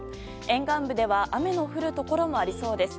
沿岸部では雨の降るところもありそうです。